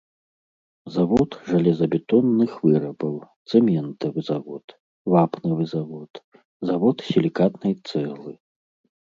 Завод жалезабетонных вырабаў, цэментавы завод, вапнавы завод, завод сілікатнай цэглы.